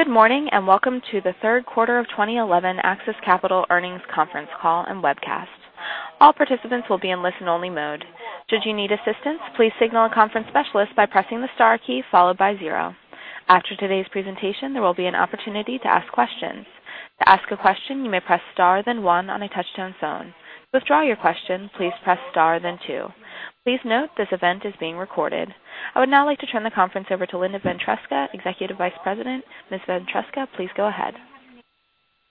Good morning, welcome to the third quarter of 2011 AXIS Capital earnings conference call and webcast. All participants will be in listen-only mode. Should you need assistance, please signal a conference specialist by pressing the star key followed by zero. After today's presentation, there will be an opportunity to ask questions. To ask a question, you may press star then one on a touch-tone phone. To withdraw your question, please press star then two. Please note this event is being recorded. I would now like to turn the conference over to Linda Ventresca, Executive Vice President. Ms. Ventresca, please go ahead.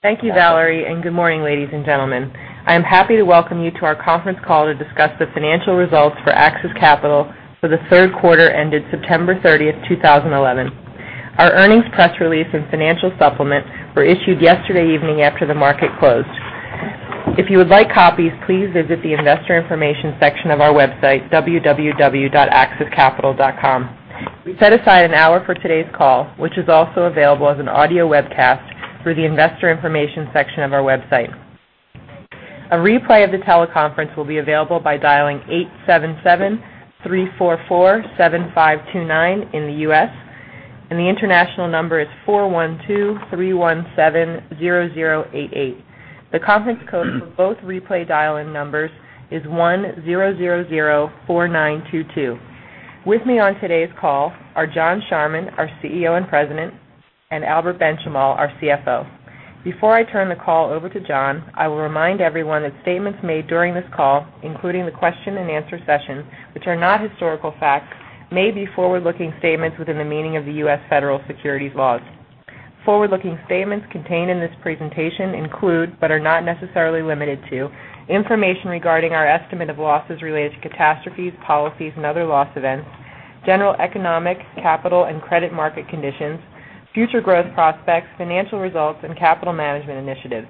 Thank you, Valerie, good morning, ladies and gentlemen. I am happy to welcome you to our conference call to discuss the financial results for AXIS Capital for the third quarter ended September 30th, 2011. Our earnings press release and financial supplement were issued yesterday evening after the market closed. If you would like copies, please visit the investor information section of our website, www.axiscapital.com. We set aside an hour for today's call, which is also available as an audio webcast through the investor information section of our website. A replay of the teleconference will be available by dialing 877-344-7529 in the U.S. The international number is 412-317-0088. The conference code for both replay dial-in numbers is 1-000-4922. With me on today's call are John Charman, our CEO and President, and Albert Benchimol, our CFO. Before I turn the call over to John, I will remind everyone that statements made during this call, including the question and answer session, which are not historical facts, may be forward-looking statements within the meaning of the U.S. federal securities laws. Forward-looking statements contained in this presentation include, but are not necessarily limited to, information regarding our estimate of losses related to catastrophes, policies, and other loss events, general economic, capital, and credit market conditions, future growth prospects, financial results, and capital management initiatives,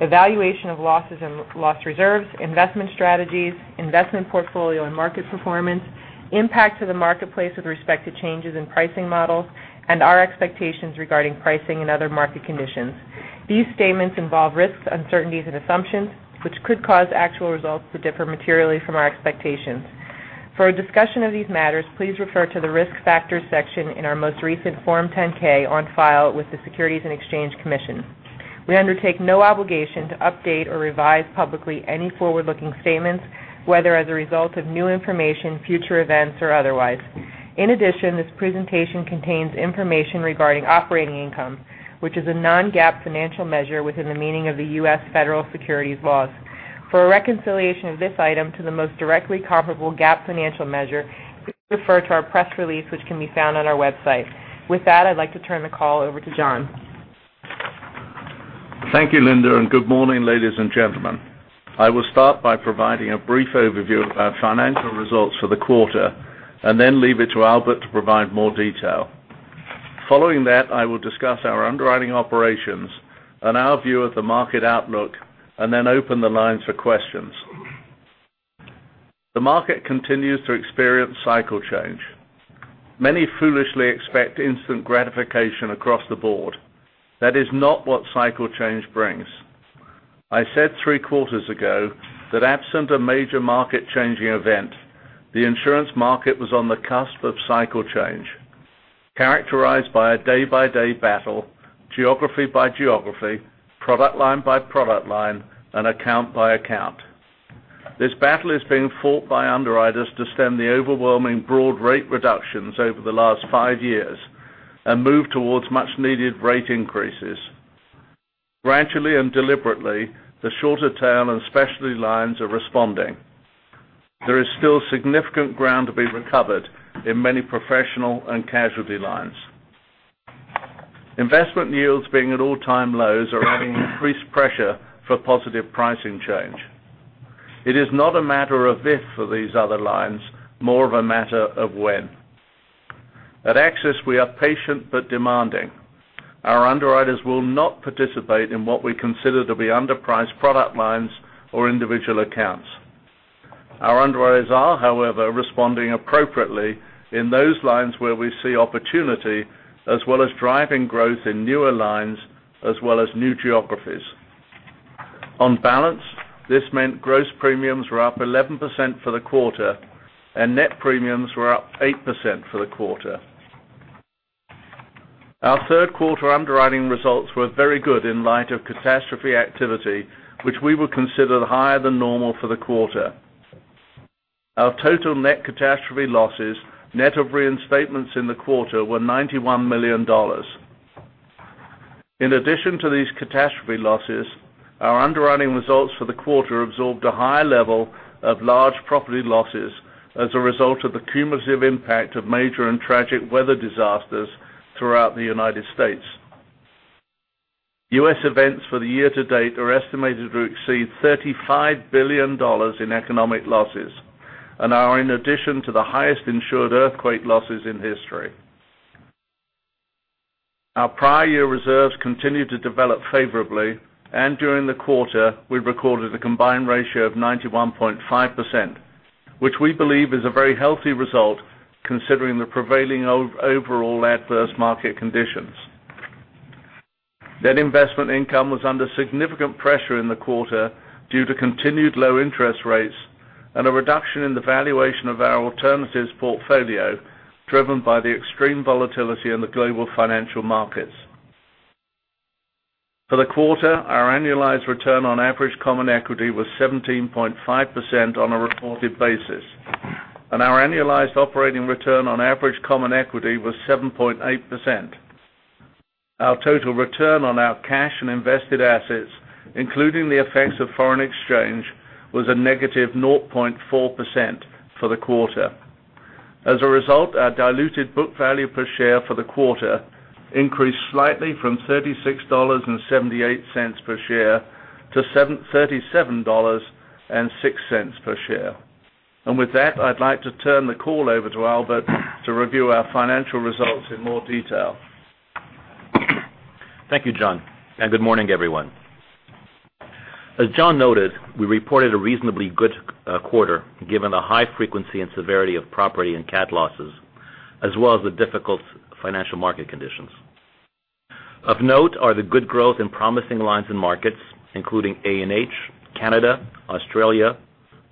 evaluation of losses and loss reserves, investment strategies, investment portfolio and market performance, impact to the marketplace with respect to changes in pricing models, and our expectations regarding pricing and other market conditions. These statements involve risks, uncertainties, and assumptions, which could cause actual results to differ materially from our expectations. For a discussion of these matters, please refer to the risk factors section in our most recent Form 10-K on file with the Securities and Exchange Commission. We undertake no obligation to update or revise publicly any forward-looking statements, whether as a result of new information, future events, or otherwise. In addition, this presentation contains information regarding operating income, which is a non-GAAP financial measure within the meaning of the U.S. federal securities laws. For a reconciliation of this item to the most directly comparable GAAP financial measure, please refer to our press release, which can be found on our website. With that, I'd like to turn the call over to John. Thank you, Linda, good morning, ladies and gentlemen. I will start by providing a brief overview of our financial results for the quarter. Then leave it to Albert to provide more detail. Following that, I will discuss our underwriting operations and our view of the market outlook. Then open the lines for questions. The market continues to experience cycle change. Many foolishly expect instant gratification across the board. That is not what cycle change brings. I said three quarters ago that absent a major market-changing event, the insurance market was on the cusp of cycle change, characterized by a day-by-day battle, geography by geography, product line by product line, and account by account. This battle is being fought by underwriters to stem the overwhelming broad rate reductions over the last five years and move towards much needed rate increases. Gradually, deliberately, the shorter tail and specialty lines are responding. There is still significant ground to be recovered in many professional and casualty lines. Investment yields being at all-time lows are adding increased pressure for positive pricing change. It is not a matter of if for these other lines, more of a matter of when. At AXIS, we are patient but demanding. Our underwriters will not participate in what we consider to be underpriced product lines or individual accounts. Our underwriters are, however, responding appropriately in those lines where we see opportunity as well as driving growth in newer lines as well as new geographies. On balance, this meant gross premiums were up 11% for the quarter, net premiums were up 8% for the quarter. Our third quarter underwriting results were very good in light of catastrophe activity, which we would consider higher than normal for the quarter. Our total net catastrophe losses, net of reinstatements in the quarter, were $91 million. In addition to these catastrophe losses, our underwriting results for the quarter absorbed a high level of large property losses as a result of the cumulative impact of major and tragic weather disasters throughout the U.S. U.S. events for the year to date are estimated to exceed $35 billion in economic losses and are in addition to the highest insured earthquake losses in history. Our prior year reserves continued to develop favorably. During the quarter, we recorded a combined ratio of 91.5%, which we believe is a very healthy result considering the prevailing overall adverse market conditions. Net investment income was under significant pressure in the quarter due to continued low interest rates and a reduction in the valuation of our alternatives portfolio, driven by the extreme volatility in the global financial markets. For the quarter, our annualized return on average common equity was 17.5% on a reported basis. Our annualized operating return on average common equity was 7.8%. Our total return on our cash and invested assets, including the effects of foreign exchange, was a negative 0.4% for the quarter. As a result, our diluted book value per share for the quarter increased slightly from $36.78 per share to $37.06 per share. With that, I'd like to turn the call over to Albert to review our financial results in more detail. Thank you, John, and good morning, everyone. As John noted, we reported a reasonably good quarter given the high frequency and severity of property and cat losses, as well as the difficult financial market conditions. Of note are the good growth in promising lines and markets, including A&H, Canada, Australia,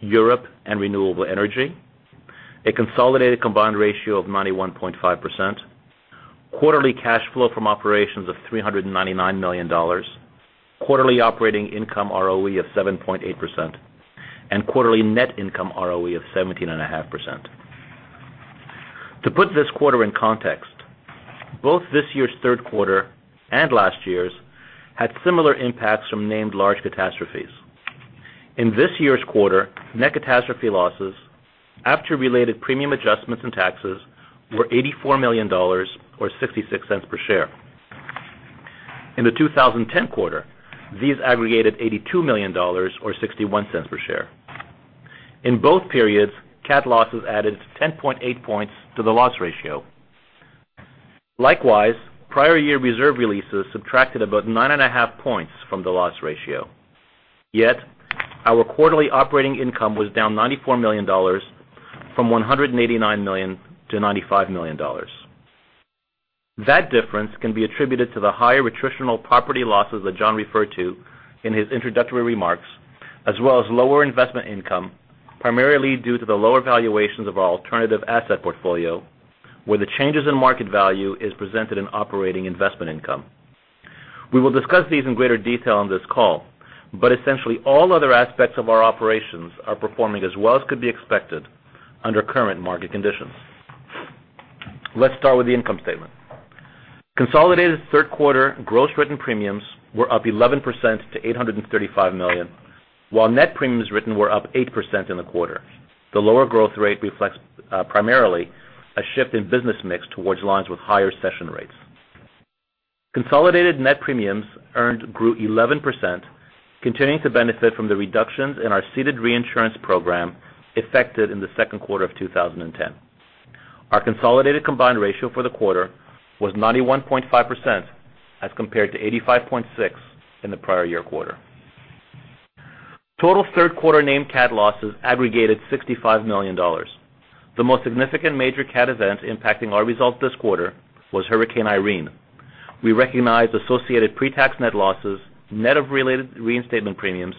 Europe, and renewable energy. A consolidated combined ratio of 91.5%. Quarterly cash flow from operations of $399 million. Quarterly operating income ROE of 7.8%, and quarterly net income ROE of 17.5%. To put this quarter in context, both this year's third quarter and last year's had similar impacts from named large catastrophes. In this year's quarter, net catastrophe losses after related premium adjustments and taxes were $84 million or $0.66 per share. In the 2010 quarter, these aggregated $82 million or $0.61 per share. In both periods, cat losses added 10.8 points to the loss ratio. Likewise, prior year reserve releases subtracted about 9.5 points from the loss ratio. Yet our quarterly operating income was down $94 million from $189 million to $95 million. That difference can be attributed to the higher attritional property losses that John referred to in his introductory remarks, as well as lower investment income, primarily due to the lower valuations of our alternative asset portfolio, where the changes in market value is presented in operating investment income. We will discuss these in greater detail on this call, but essentially all other aspects of our operations are performing as well as could be expected under current market conditions. Let's start with the income statement. Consolidated third quarter gross written premiums were up 11% to $835 million, while net premiums written were up 8% in the quarter. The lower growth rate reflects primarily a shift in business mix towards lines with higher session rates. Consolidated net premiums earned grew 11%, continuing to benefit from the reductions in our ceded reinsurance program effected in the second quarter of 2010. Our consolidated combined ratio for the quarter was 91.5% as compared to 85.6% in the prior year quarter. Total third quarter named cat losses aggregated $65 million. The most significant major cat event impacting our results this quarter was Hurricane Irene. We recognized associated pre-tax net losses, net of related reinstatement premiums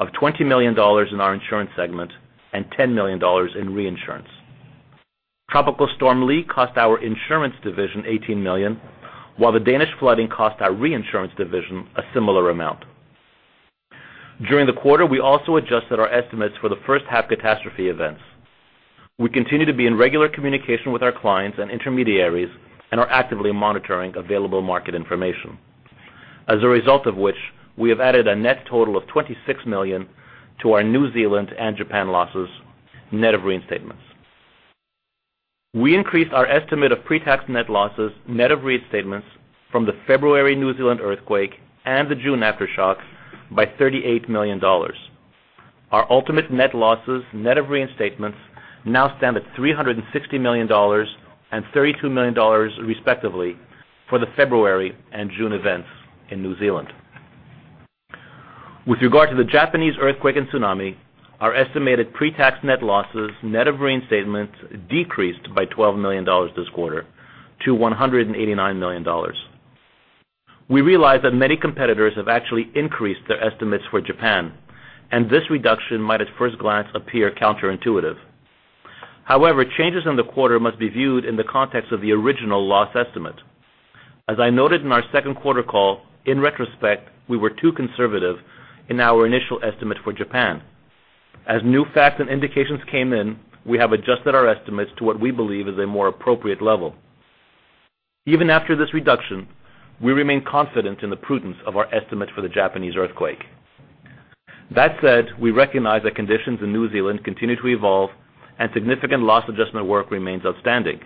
of $20 million in our insurance segment and $10 million in reinsurance. Tropical Storm Lee cost our insurance division $18 million, while the Danish flooding cost our reinsurance division a similar amount. During the quarter, we also adjusted our estimates for the first half catastrophe events. We continue to be in regular communication with our clients and intermediaries and are actively monitoring available market information. As a result of which, we have added a net total of $26 million to our New Zealand and Japan losses net of reinstatements. We increased our estimate of pre-tax net losses net of reinstatements from the February New Zealand earthquake and the June aftershocks by $38 million. Our ultimate net losses net of reinstatements now stand at $360 million and $32 million respectively for the February and June events in New Zealand. With regard to the Japanese earthquake and tsunami, our estimated pre-tax net losses net of reinstatements decreased by $12 million this quarter to $189 million. We realize that many competitors have actually increased their estimates for Japan, and this reduction might at first glance appear counterintuitive. However, changes in the quarter must be viewed in the context of the original loss estimate. As I noted in our second quarter call, in retrospect, we were too conservative in our initial estimate for Japan. As new facts and indications came in, we have adjusted our estimates to what we believe is a more appropriate level. Even after this reduction, we remain confident in the prudence of our estimates for the Japanese earthquake. That said, we recognize that conditions in New Zealand continue to evolve and significant loss adjustment work remains outstanding.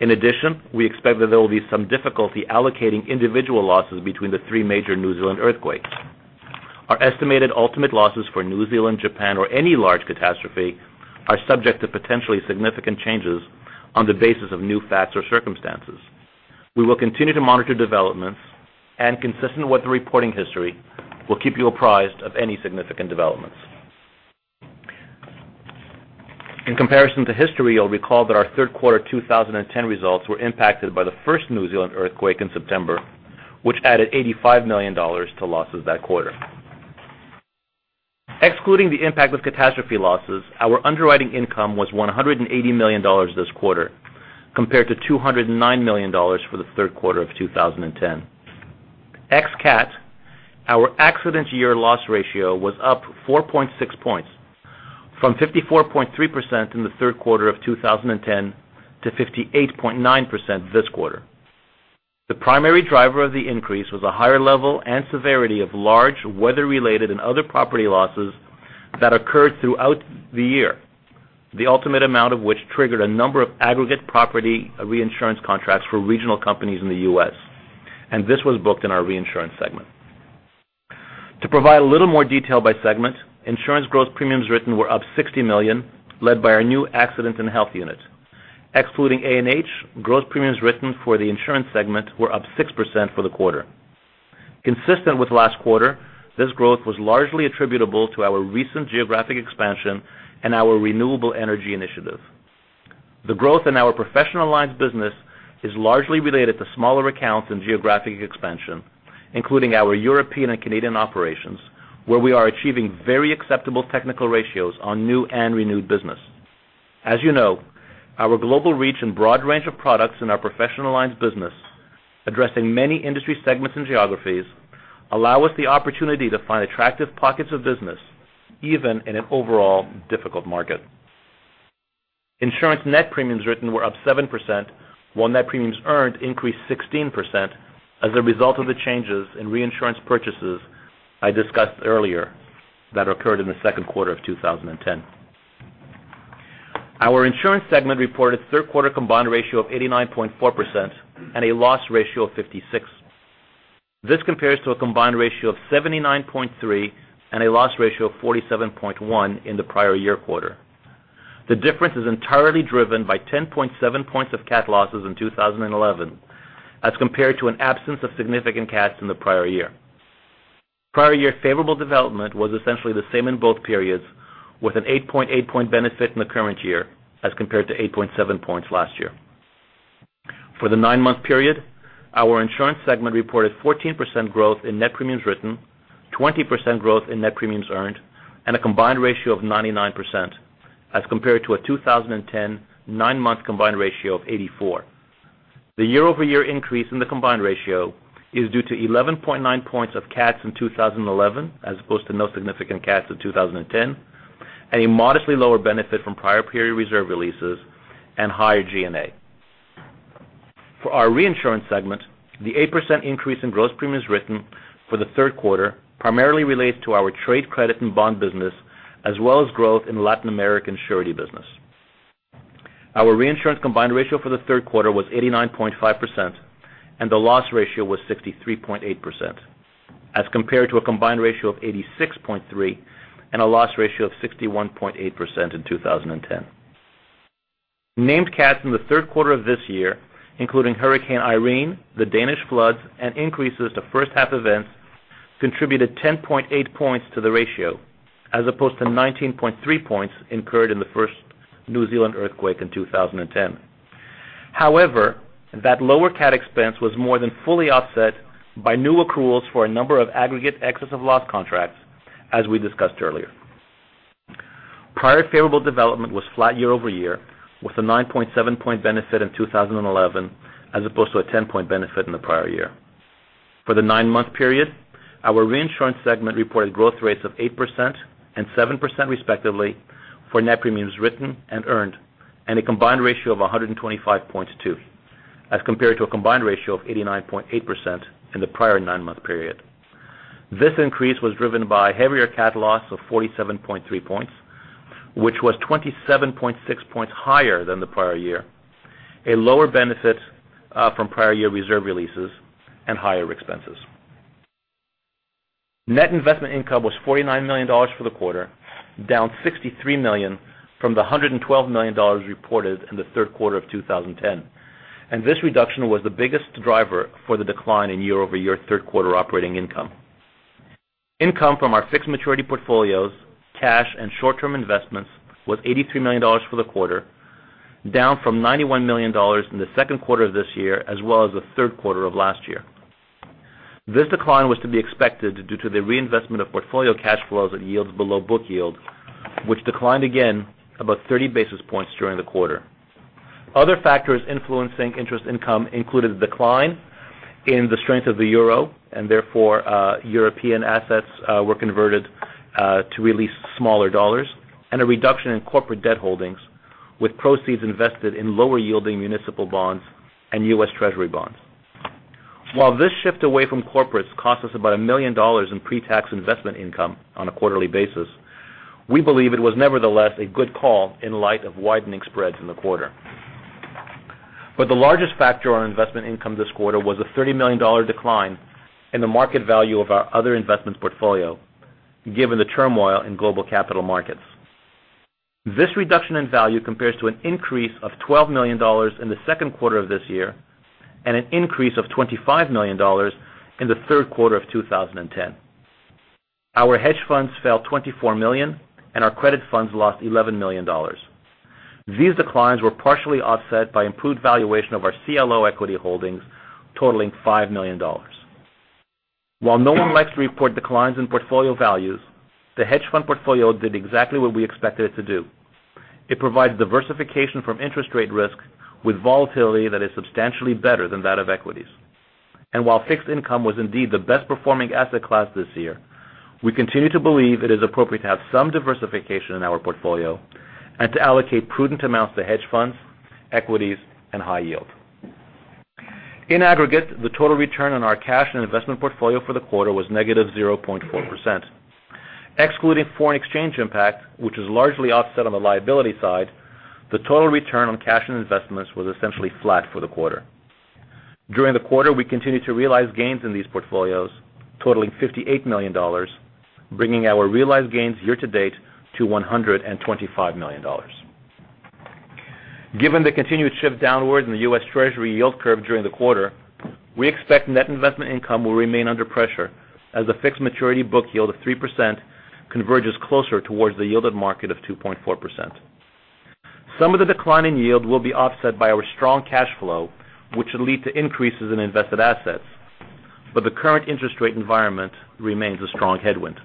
In addition, we expect that there will be some difficulty allocating individual losses between the three major New Zealand earthquakes. Our estimated ultimate losses for New Zealand, Japan or any large catastrophe are subject to potentially significant changes on the basis of new facts or circumstances. We will continue to monitor developments and consistent with the reporting history, we'll keep you apprised of any significant developments. In comparison to history, you'll recall that our third quarter 2010 results were impacted by the first New Zealand earthquake in September, which added $85 million to losses that quarter. Excluding the impact of catastrophe losses, our underwriting income was $180 million this quarter, compared to $209 million for the third quarter of 2010. Ex cat, our accident year loss ratio was up 4.6 points, from 54.3% in the third quarter of 2010 to 58.9% this quarter. The primary driver of the increase was a higher level and severity of large weather-related and other property losses that occurred throughout the year, the ultimate amount of which triggered a number of aggregate property reinsurance contracts for regional companies in the U.S., and this was booked in our reinsurance segment. To provide a little more detail by segment, insurance growth premiums written were up $60 million, led by our new accident and health unit. Excluding A&H, growth premiums written for the insurance segment were up 6% for the quarter. Consistent with last quarter, this growth was largely attributable to our recent geographic expansion and our renewable energy initiative. The growth in our professional lines business is largely related to smaller accounts and geographic expansion, including our European and Canadian operations, where we are achieving very acceptable technical ratios on new and renewed business. As you know, our global reach and broad range of products in our professional lines business, addressing many industry segments and geographies, allow us the opportunity to find attractive pockets of business, even in an overall difficult market. Insurance net premiums written were up 7%, while net premiums earned increased 16% as a result of the changes in reinsurance purchases I discussed earlier that occurred in the second quarter of 2010. Our insurance segment reported third quarter combined ratio of 89.4% and a loss ratio of 56%. This compares to a combined ratio of 79.3% and a loss ratio of 47.1% in the prior year quarter. The difference is entirely driven by 10.7 points of cat losses in 2011 as compared to an absence of significant cats in the prior year. Prior year favorable development was essentially the same in both periods, with an 8.8 point benefit in the current year as compared to 8.7 points last year. For the nine-month period, our insurance segment reported 14% growth in net premiums written, 20% growth in net premiums earned, and a combined ratio of 99%, as compared to a 2010 nine-month combined ratio of 84%. The year-over-year increase in the combined ratio is due to 11.9 points of cats in 2011, as opposed to no significant cats in 2010, and a modestly lower benefit from prior period reserve releases and higher G&A. For our reinsurance segment, the 8% increase in gross premiums written for the third quarter primarily relates to our trade credit and bond business, as well as growth in Latin American surety business. Our reinsurance combined ratio for the third quarter was 89.5%, and the loss ratio was 63.8%, as compared to a combined ratio of 86.3% and a loss ratio of 61.8% in 2010. Named cats in the third quarter of this year, including Hurricane Irene, the Danish floods, and increases to first half events, contributed 10.8 points to the ratio, as opposed to 19.3 points incurred in the first New Zealand earthquake in 2010. However, that lower cat expense was more than fully offset by new accruals for a number of aggregate excess of loss contracts, as we discussed earlier. Prior favorable development was flat year over year, with a 9.7 point benefit in 2011, as opposed to a 10-point benefit in the prior year. For the nine-month period, our reinsurance segment reported growth rates of 8% and 7% respectively for net premiums written and earned, and a combined ratio of 125.2%, as compared to a combined ratio of 89.8% in the prior nine-month period. This increase was driven by heavier cat loss of 47.3 points, which was 27.6 points higher than the prior year, a lower benefit from prior year reserve releases, and higher expenses. Net investment income was $49 million for the quarter, down $63 million from the $112 million reported in the third quarter of 2010, and this reduction was the biggest driver for the decline in year-over-year third quarter operating income. Income from our fixed maturity portfolios, cash and short-term investments was $83 million for the quarter, down from $91 million in the second quarter of this year, as well as the third quarter of last year. This decline was to be expected due to the reinvestment of portfolio cash flows at yields below book yield, which declined again about 30 basis points during the quarter. Other factors influencing interest income included the decline in the strength of the euro, and therefore, European assets were converted to release smaller dollars, and a reduction in corporate debt holdings, with proceeds invested in lower yielding municipal bonds and U.S. Treasury bonds. While this shift away from corporates cost us about $1 million in pre-tax investment income on a quarterly basis, we believe it was nevertheless a good call in light of widening spreads in the quarter. The largest factor on investment income this quarter was a $30 million decline in the market value of our other investments portfolio, given the turmoil in global capital markets. This reduction in value compares to an increase of $12 million in the second quarter of this year, and an increase of $25 million in the third quarter of 2010. Our hedge funds fell $24 million and our credit funds lost $11 million. These declines were partially offset by improved valuation of our CLO equity holdings, totaling $5 million. While no one likes to report declines in portfolio values, the hedge fund portfolio did exactly what we expected it to do. It provides diversification from interest rate risk with volatility that is substantially better than that of equities. While fixed income was indeed the best-performing asset class this year, we continue to believe it is appropriate to have some diversification in our portfolio and to allocate prudent amounts to hedge funds, equities, and high yield. In aggregate, the total return on our cash and investment portfolio for the quarter was negative 0.4%. Excluding foreign exchange impact, which is largely offset on the liability side, the total return on cash and investments was essentially flat for the quarter. During the quarter, we continued to realize gains in these portfolios totaling $58 million, bringing our realized gains year-to-date to $125 million. Given the continued shift downward in the U.S. Treasury yield curve during the quarter, we expect net investment income will remain under pressure as the fixed maturity book yield of 3% converges closer towards the yield to market of 2.4%. Some of the decline in yield will be offset by our strong cash flow, which will lead to increases in invested assets, but the current interest rate environment remains a strong headwind.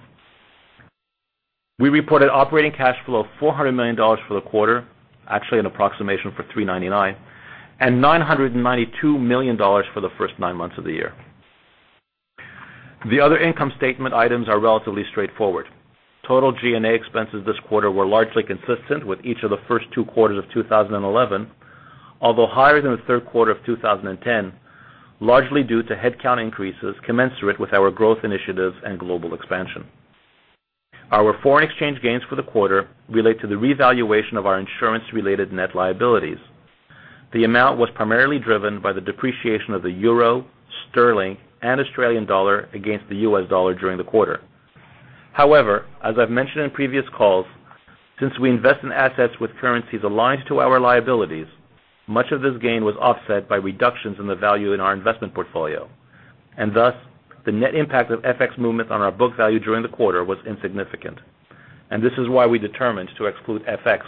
We reported operating cash flow of $400 million for the quarter, actually an approximation for 399, and $992 million for the first nine months of the year. The other income statement items are relatively straightforward. Total G&A expenses this quarter were largely consistent with each of the first two quarters of 2011, although higher than the third quarter of 2010, largely due to headcount increases commensurate with our growth initiatives and global expansion. Our foreign exchange gains for the quarter relate to the revaluation of our insurance-related net liabilities. The amount was primarily driven by the depreciation of the euro, sterling, and Australian dollar against the U.S. dollar during the quarter. However, as I've mentioned in previous calls, since we invest in assets with currencies aligned to our liabilities, much of this gain was offset by reductions in the value in our investment portfolio. Thus, the net impact of FX movements on our book value during the quarter was insignificant. This is why we determined to exclude FX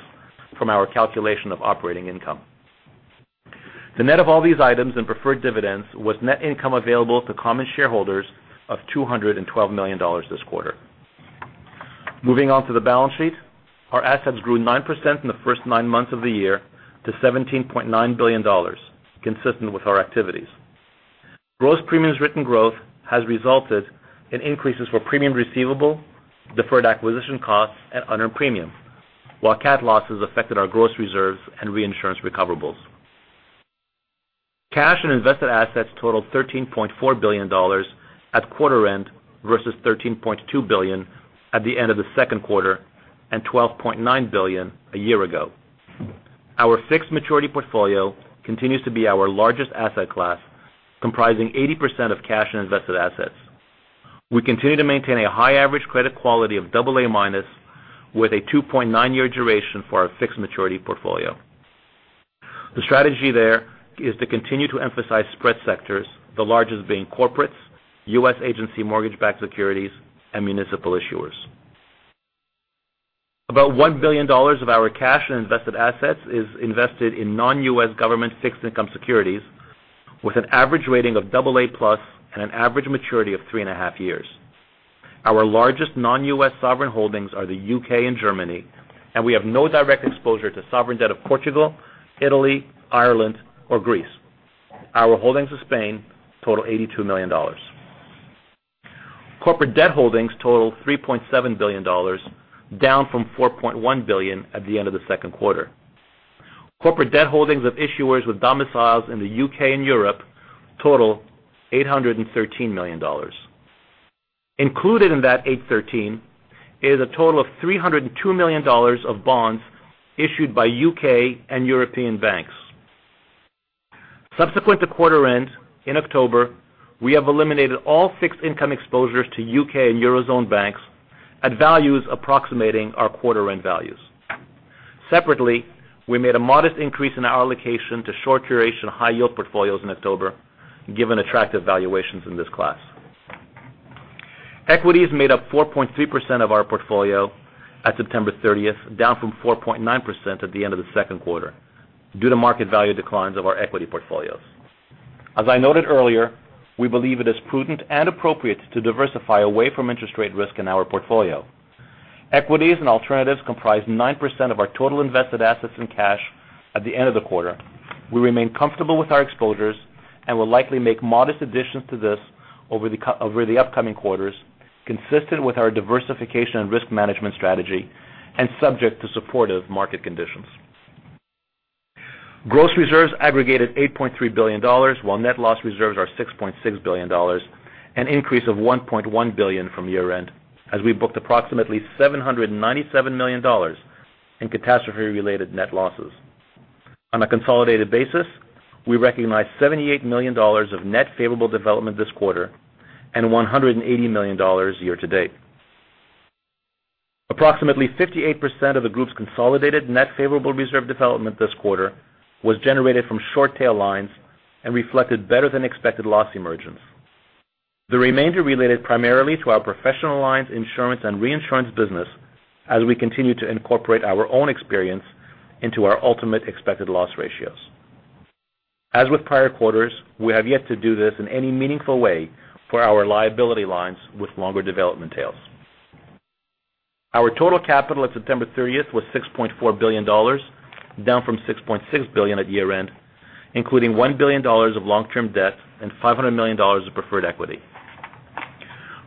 from our calculation of operating income. The net of all these items and preferred dividends was net income available to common shareholders of $212 million this quarter. Moving on to the balance sheet. Our assets grew 9% in the first nine months of the year to $17.9 billion, consistent with our activities. Gross premiums written growth has resulted in increases for premium receivable, deferred acquisition costs, and unearned premium. While cat losses affected our gross reserves and reinsurance recoverables. Cash and invested assets totaled $13.4 billion at quarter end versus $13.2 billion at the end of the second quarter and $12.9 billion a year ago. Our fixed maturity portfolio continues to be our largest asset class, comprising 80% of cash and invested assets. We continue to maintain a high average credit quality of double A minus with a 2.9 year duration for our fixed maturity portfolio. The strategy there is to continue to emphasize spread sectors, the largest being corporates, U.S. agency mortgage-backed securities, and municipal issuers. About $1 billion of our cash and invested assets is invested in non-U.S. government fixed income securities with an average rating of double A plus and an average maturity of three and a half years. Our largest non-U.S. sovereign holdings are the U.K. and Germany, and we have no direct exposure to sovereign debt of Portugal, Italy, Ireland, or Greece. Our holdings of Spain total $82 million. Corporate debt holdings total $3.7 billion, down from $4.1 billion at the end of the second quarter. Corporate debt holdings of issuers with domiciles in the U.K. and Europe total $813 million. Included in that 813 is a total of $302 million of bonds issued by U.K. and European banks. Subsequent to quarter end in October, we have eliminated all fixed income exposures to U.K. and Eurozone banks at values approximating our quarter-end values. Separately, we made a modest increase in our allocation to short duration high yield portfolios in October given attractive valuations in this class. Equities made up 4.3% of our portfolio at September 30th, down from 4.9% at the end of the second quarter due to market value declines of our equity portfolios. As I noted earlier, we believe it is prudent and appropriate to diversify away from interest rate risk in our portfolio. Equities and alternatives comprise 9% of our total invested assets in cash at the end of the quarter. We remain comfortable with our exposures and will likely make modest additions to this over the upcoming quarters, consistent with our diversification and risk management strategy and subject to supportive market conditions. Gross reserves aggregated $8.3 billion, while net loss reserves are $6.6 billion, an increase of $1.1 billion from year-end, as we booked approximately $797 million in catastrophe-related net losses. On a consolidated basis, we recognized $78 million of net favorable development this quarter and $180 million year to date. Approximately 58% of the group's consolidated net favorable reserve development this quarter was generated from short tail lines and reflected better than expected loss emergence. The remainder related primarily to our professional lines, insurance, and reinsurance business as we continue to incorporate our own experience into our ultimate expected loss ratios. As with prior quarters, we have yet to do this in any meaningful way for our liability lines with longer development tails. Our total capital at September 30th was $6.4 billion, down from $6.6 billion at year-end, including $1 billion of long-term debt and $500 million of preferred equity.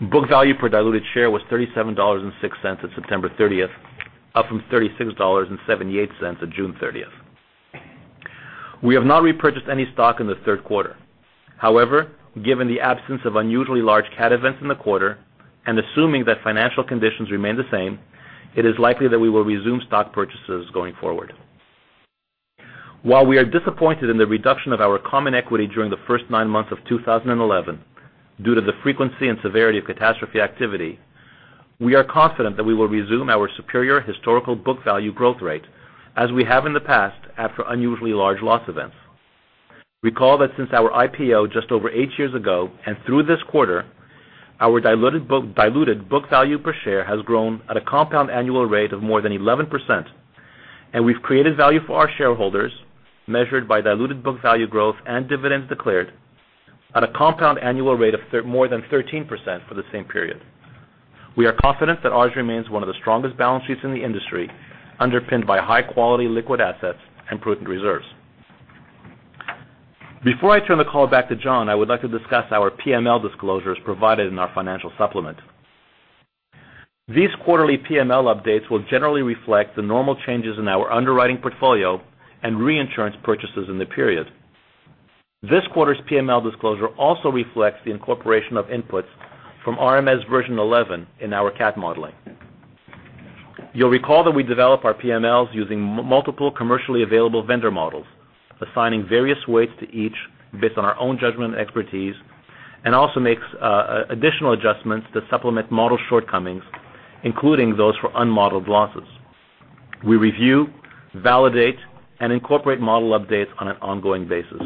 Book value per diluted share was $37.06 on September 30th, up from $36.78 on June 30th. We have not repurchased any stock in the third quarter. However, given the absence of unusually large cat events in the quarter, and assuming that financial conditions remain the same, it is likely that we will resume stock purchases going forward. While we are disappointed in the reduction of our common equity during the first nine months of 2011, due to the frequency and severity of catastrophe activity, we are confident that we will resume our superior historical book value growth rate, as we have in the past, after unusually large loss events. Recall that since our IPO just over eight years ago and through this quarter, our diluted book value per share has grown at a compound annual rate of more than 11%, and we have created value for our shareholders, measured by diluted book value growth and dividends declared at a compound annual rate of more than 13% for the same period. We are confident that ours remains one of the strongest balance sheets in the industry, underpinned by high-quality liquid assets and prudent reserves. Before I turn the call back to John, I would like to discuss our PML disclosures provided in our financial supplement. These quarterly PML updates will generally reflect the normal changes in our underwriting portfolio and reinsurance purchases in the period. This quarter's PML disclosure also reflects the incorporation of inputs from RMS version 11 in our cat modeling. You will recall that we develop our PMLs using multiple commercially available vendor models, assigning various weights to each based on our own judgment and expertise, and also makes additional adjustments to supplement model shortcomings, including those for unmodeled losses. We review, validate, and incorporate model updates on an ongoing basis.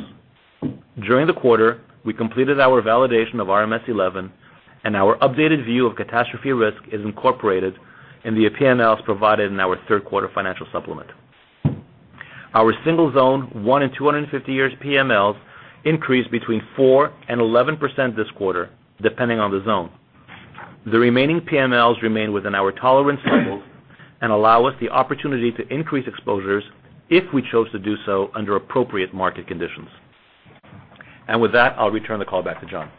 During the quarter, we completed our validation of RMS 11, and our updated view of catastrophe risk is incorporated in the PMLs provided in our third quarter financial supplement. Our single zone one in 250 years PMLs increased between 4% and 11% this quarter, depending on the zone. The remaining PMLs remain within our tolerance levels and allow us the opportunity to increase exposures if we chose to do so under appropriate market conditions. With that, I will return the call back to John.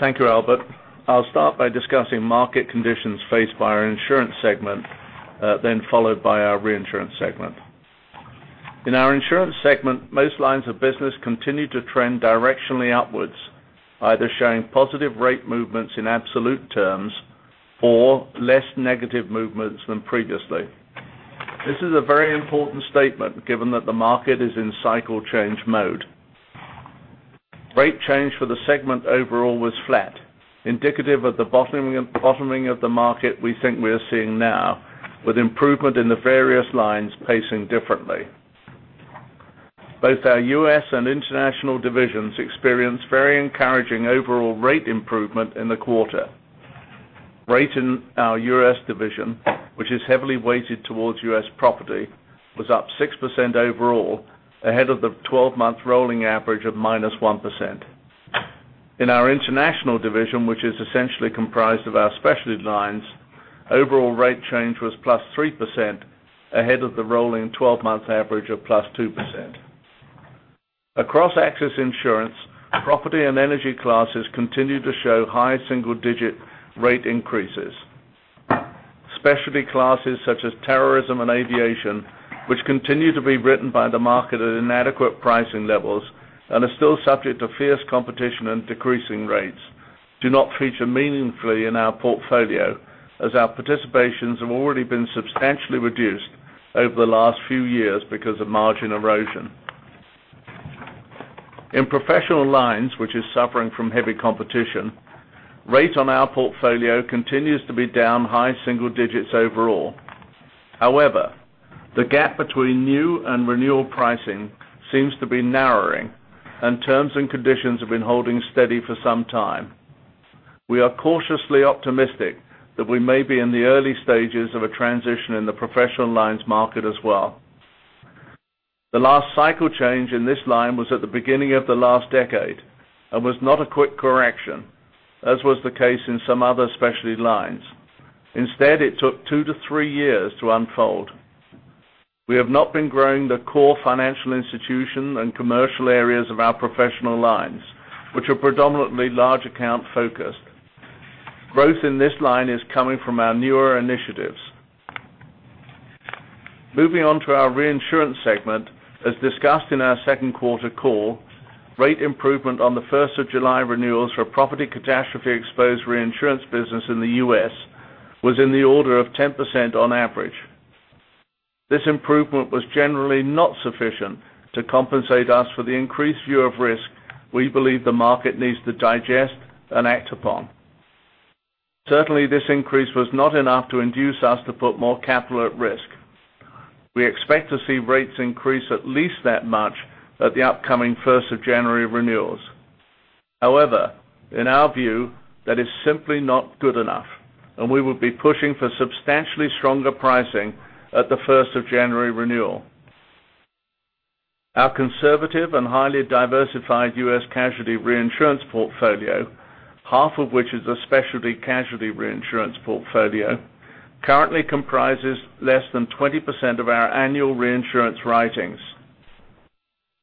Thank you, Albert. I will start by discussing market conditions faced by our insurance segment, then followed by our reinsurance segment. In our insurance segment, most lines of business continue to trend directionally upwards, either showing positive rate movements in absolute terms or less negative movements than previously. This is a very important statement given that the market is in cycle change mode. Rate change for the segment overall was flat, indicative of the bottoming of the market we think we are seeing now, with improvement in the various lines pacing differently. Both our U.S. and international divisions experienced very encouraging overall rate improvement in the quarter. Rate in our U.S. division, which is heavily weighted towards U.S. property, was up 6% overall, ahead of the 12-month rolling average of -1%. In our international division, which is essentially comprised of our specialty lines, overall rate change was +3% ahead of the rolling 12-month average of +2%. Across excess insurance, property and energy classes continue to show high single-digit rate increases. Specialty classes such as terrorism and aviation, which continue to be written by the market at inadequate pricing levels and are still subject to fierce competition and decreasing rates, do not feature meaningfully in our portfolio as our participations have already been substantially reduced over the last few years because of margin erosion. In professional lines, which is suffering from heavy competition, rate on our portfolio continues to be down high single digits overall. However, the gap between new and renewal pricing seems to be narrowing, and terms and conditions have been holding steady for some time. We are cautiously optimistic that we may be in the early stages of a transition in the professional lines market as well. The last cycle change in this line was at the beginning of the last decade and was not a quick correction, as was the case in some other specialty lines. Instead, it took two to three years to unfold. We have not been growing the core financial institution and commercial areas of our professional lines, which are predominantly large account-focused. Growth in this line is coming from our newer initiatives. Moving on to our reinsurance segment, as discussed in our second quarter call, rate improvement on the 1st of July renewals for property catastrophe exposed reinsurance business in the U.S. was in the order of 10% on average. This improvement was generally not sufficient to compensate us for the increased view of risk we believe the market needs to digest and act upon. Certainly, this increase was not enough to induce us to put more capital at risk. We expect to see rates increase at least that much at the upcoming 1st of January renewals. In our view, that is simply not good enough, and we will be pushing for substantially stronger pricing at the 1st of January renewal. Our conservative and highly diversified U.S. casualty reinsurance portfolio, half of which is a specialty casualty reinsurance portfolio, currently comprises less than 20% of our annual reinsurance writings.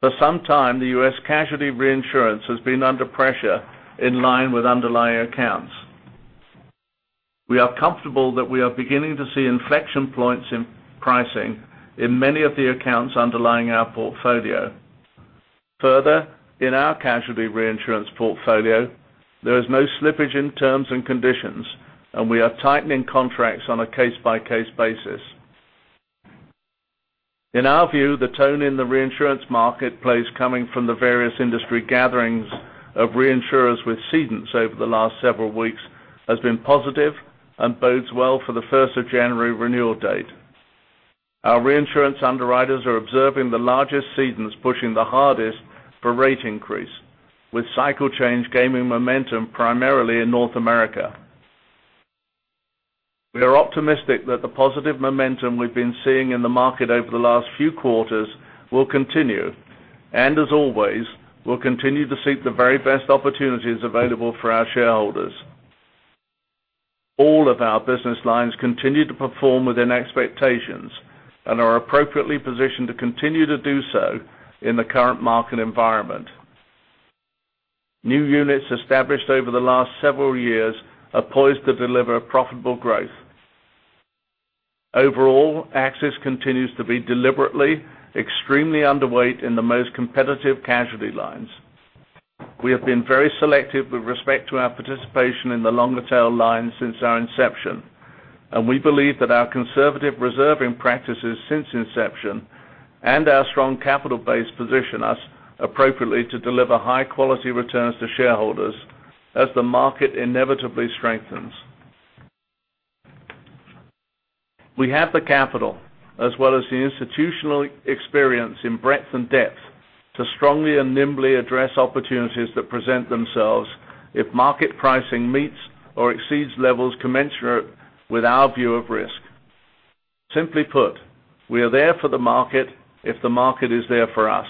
For some time, the U.S. casualty reinsurance has been under pressure in line with underlying accounts. We are comfortable that we are beginning to see inflection points in pricing in many of the accounts underlying our portfolio. Further, in our casualty reinsurance portfolio, there is no slippage in terms and conditions, and we are tightening contracts on a case-by-case basis. In our view, the tone in the reinsurance marketplace coming from the various industry gatherings of reinsurers with cedents over the last several weeks has been positive and bodes well for the 1st of January renewal date. Our reinsurance underwriters are observing the largest cedents pushing the hardest for rate increase, with cycle change gaining momentum primarily in North America. We are optimistic that the positive momentum we've been seeing in the market over the last few quarters will continue, and as always, we'll continue to seek the very best opportunities available for our shareholders. All of our business lines continue to perform within expectations and are appropriately positioned to continue to do so in the current market environment. New units established over the last several years are poised to deliver profitable growth. Overall, AXIS continues to be deliberately extremely underweight in the most competitive casualty lines. We have been very selective with respect to our participation in the longer tail lines since our inception, and we believe that our conservative reserving practices since inception and our strong capital base position us appropriately to deliver high-quality returns to shareholders as the market inevitably strengthens. We have the capital as well as the institutional experience in breadth and depth to strongly and nimbly address opportunities that present themselves if market pricing meets or exceeds levels commensurate with our view of risk. Simply put, we are there for the market if the market is there for us.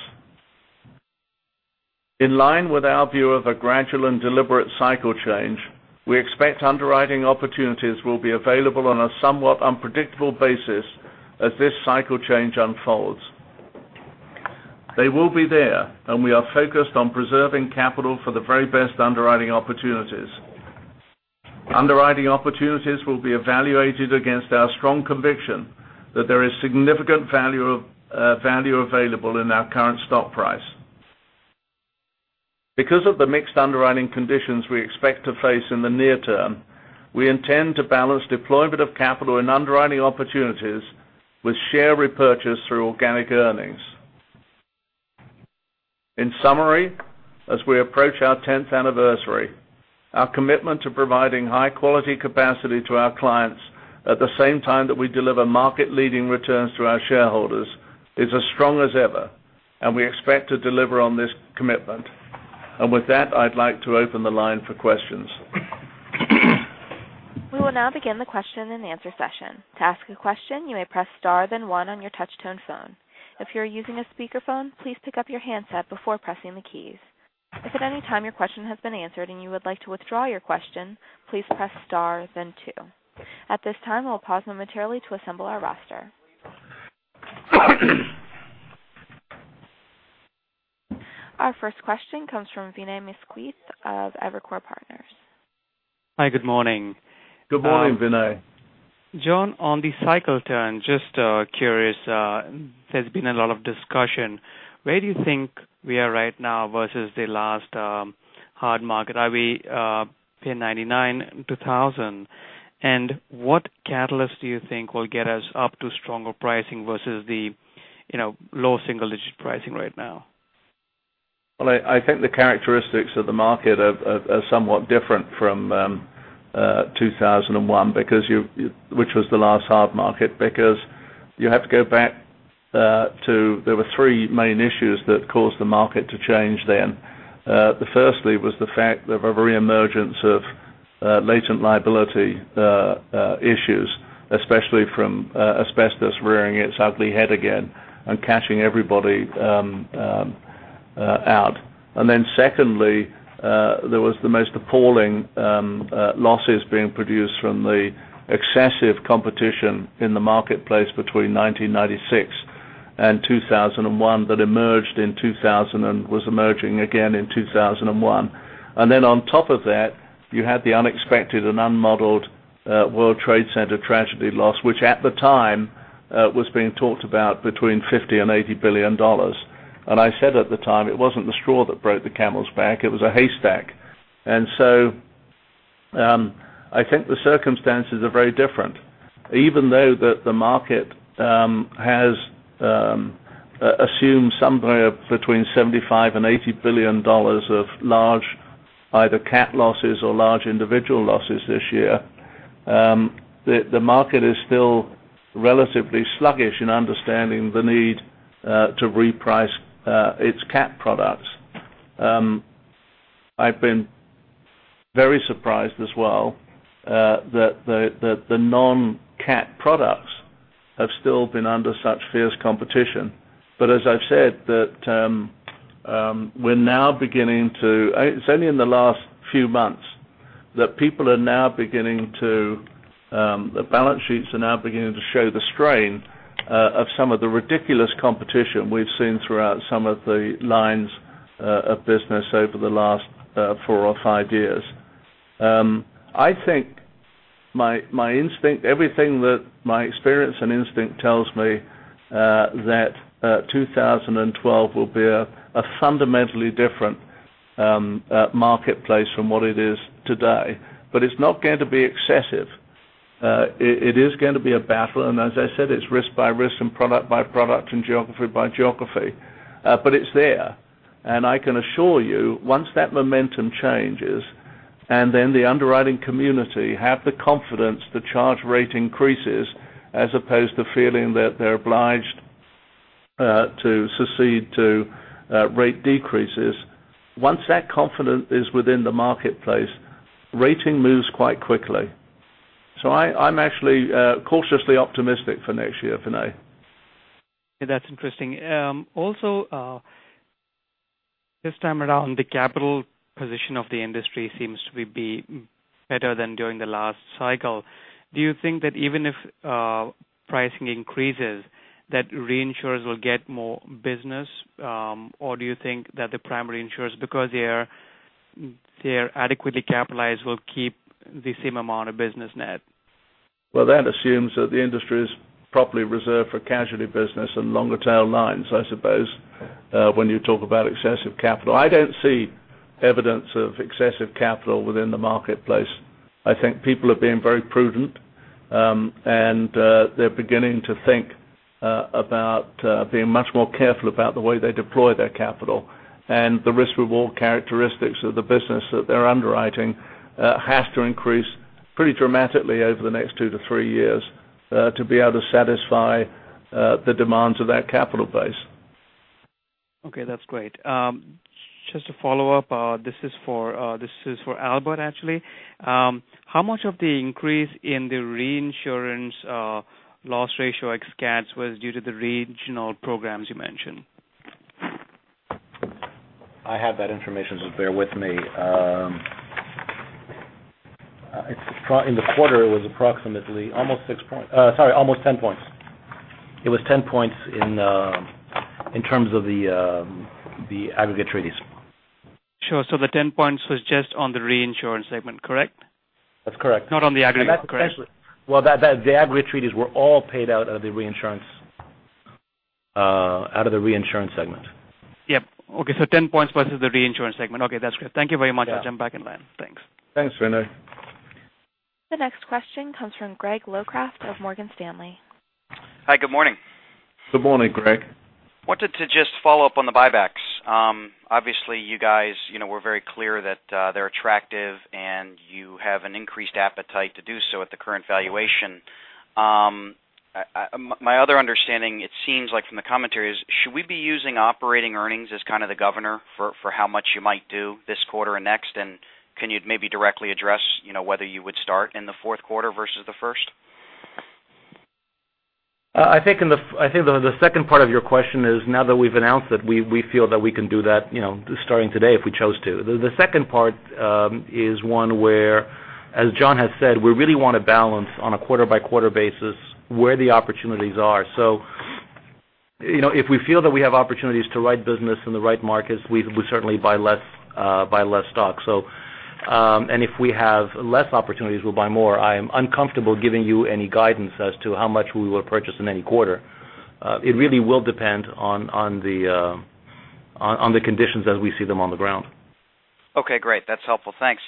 In line with our view of a gradual and deliberate cycle change, we expect underwriting opportunities will be available on a somewhat unpredictable basis as this cycle change unfolds. They will be there, and we are focused on preserving capital for the very best underwriting opportunities. Underwriting opportunities will be evaluated against our strong conviction that there is significant value available in our current stock price. Because of the mixed underwriting conditions we expect to face in the near term, we intend to balance deployment of capital and underwriting opportunities with share repurchase through organic earnings. In summary, as we approach our 10th anniversary, our commitment to providing high-quality capacity to our clients at the same time that we deliver market-leading returns to our shareholders is as strong as ever, and we expect to deliver on this commitment. With that, I'd like to open the line for questions. We will now begin the question and answer session. To ask a question, you may press star then one on your touch-tone phone. If you are using a speakerphone, please pick up your handset before pressing the keys. If at any time your question has been answered and you would like to withdraw your question, please press star then two. At this time, we'll pause momentarily to assemble our roster. Our first question comes from Vinay Misquith of Evercore Partners. Hi, good morning. Good morning, Vinay. John, on the cycle turn, just curious, there's been a lot of discussion. Where do you think we are right now versus the last hard market? Are we in 1999 and 2000? What catalyst do you think will get us up to stronger pricing versus the low single-digit pricing right now? Well, I think the characteristics of the market are somewhat different from 2001, which was the last hard market, because you have to go back to there were three main issues that caused the market to change then. The firstly was the fact of a reemergence of latent liability issues, especially from asbestos rearing its ugly head again and cashing everybody out. Secondly, there was the most appalling losses being produced from the excessive competition in the marketplace between 1996 and 2001 that emerged in 2000 and was emerging again in 2001. On top of that, you had the unexpected and unmodeled World Trade Center tragedy loss, which at the time was being talked about between $50 billion and $80 billion. I said at the time, it wasn't the straw that broke the camel's back, it was a haystack. I think the circumstances are very different. Even though the market has assumed somewhere between $75 billion and $80 billion of large either cat losses or large individual losses this year, the market is still relatively sluggish in understanding the need to reprice its cat products. I've been very surprised as well that the non-cat products have still been under such fierce competition. As I've said, it's only in the last few months that the balance sheets are now beginning to show the strain of some of the ridiculous competition we've seen throughout some of the lines of business over the last four or five years. I think everything that my experience and instinct tells me that 2012 will be a fundamentally different marketplace from what it is today. It's not going to be excessive. It is going to be a battle, as I said, it's risk by risk and product by product and geography by geography, it's there. I can assure you, once that momentum changes, the underwriting community have the confidence to charge rate increases as opposed to feeling that they're obliged to accede to rate decreases. Once that confidence is within the marketplace, rating moves quite quickly. I'm actually cautiously optimistic for next year, Vinay. That's interesting. This time around, the capital position of the industry seems to be better than during the last cycle. Do you think that even if pricing increases, that reinsurers will get more business? Or do you think that the primary insurers, because they're adequately capitalized, will keep the same amount of business net? Well, that assumes that the industry is properly reserved for casualty business and longer tail lines, I suppose, when you talk about excessive capital. I don't see evidence of excessive capital within the marketplace. I think people are being very prudent, and they're beginning to think about being much more careful about the way they deploy their capital. The risk reward characteristics of the business that they're underwriting has to increase pretty dramatically over the next two to three years to be able to satisfy the demands of that capital base. Okay, that's great. Just to follow up, this is for Albert actually. How much of the increase in the reinsurance loss ratio ex CATs was due to the regional programs you mentioned? I have that information, bear with me. In the quarter, it was approximately almost 10 points. It was 10 points in terms of the aggregate treaties. Sure. The 10 points was just on the reinsurance segment, correct? That's correct. Not on the aggregate, correct? Well, the aggregate treaties were all paid out of the reinsurance segment. Yep. Okay, 10 points was just the reinsurance segment. Okay, that's great. Thank you very much. Yeah. I'll jump back in line. Thanks. Thanks, Vinay. The next question comes from Greg Locraft of Morgan Stanley. Hi, good morning. Good morning, Greg. Wanted to just follow up on the buybacks. Obviously, you guys were very clear that they're attractive and you have an increased appetite to do so at the current valuation. My other understanding, it seems like from the commentary is, should we be using operating earnings as kind of the governor for how much you might do this quarter and next? Can you maybe directly address whether you would start in the fourth quarter versus the first? I think the second part of your question is now that we've announced it, we feel that we can do that starting today if we chose to. The second part is one where, as John has said, we really want to balance on a quarter-by-quarter basis where the opportunities are. If we feel that we have opportunities to write business in the right markets, we certainly buy less stock. If we have less opportunities, we'll buy more. I am uncomfortable giving you any guidance as to how much we will purchase in any quarter. It really will depend on the conditions as we see them on the ground. Okay, great. That's helpful. Thanks.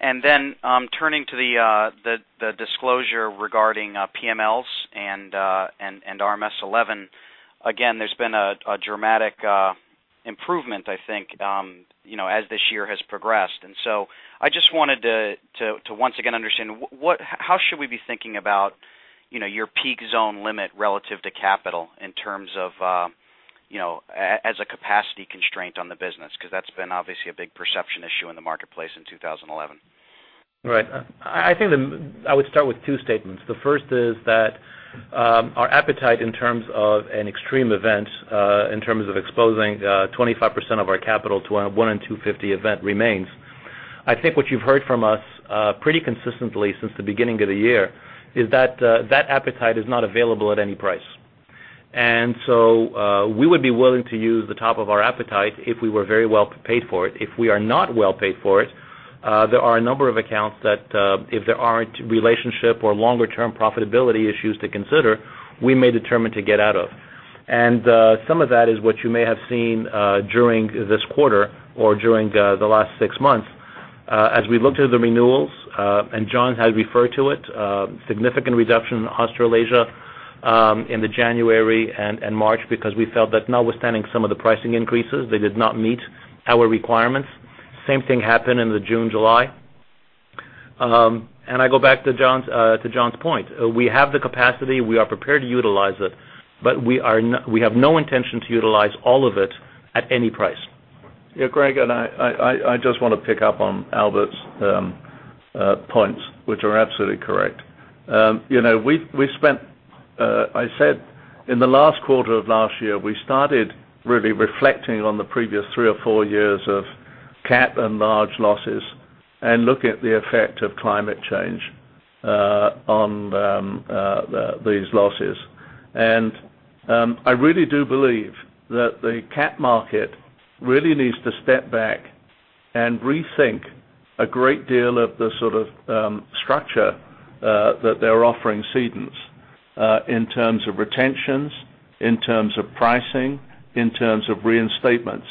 Turning to the disclosure regarding PMLs and RMS 11, again, there's been a dramatic improvement, I think as this year has progressed. I just wanted to once again understand how should we be thinking about your peak zone limit relative to capital in terms of as a capacity constraint on the business? Because that's been obviously a big perception issue in the marketplace in 2011. Right. I would start with two statements. The first is that our appetite in terms of an extreme event in terms of exposing 25% of our capital to a 1 in 250 event remains. I think what you've heard from us pretty consistently since the beginning of the year is that that appetite is not available at any price. We would be willing to use the top of our appetite if we were very well paid for it. If we are not well paid for it, there are a number of accounts that if there aren't relationship or longer term profitability issues to consider, we may determine to get out of. Some of that is what you may have seen during this quarter or during the last six months. As we looked at the renewals, John has referred to it, significant reduction in Australasia in the January and March because we felt that notwithstanding some of the pricing increases, they did not meet our requirements. Same thing happened in the June, July. I go back to John's point. We have the capacity, we are prepared to utilize it, but we have no intention to utilize all of it at any price. Yeah, Greg, I just want to pick up on Albert's points, which are absolutely correct. I said in the last quarter of last year, we started really reflecting on the previous three or four years of cat and large losses and looking at the effect of climate change on these losses. I really do believe that the cat market really needs to step back and rethink a great deal of the sort of structure that they're offering cedents in terms of retentions, in terms of pricing, in terms of reinstatements.